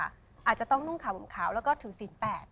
อาจจะต้องนุ่งขาวผมขาวแล้วก็ถือศีล๘